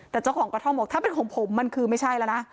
แต่เจ้าของกระท่อมบอกถ้าเป็นของผมมันคือไม่ใช่แล้วนะ